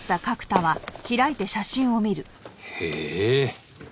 へえ。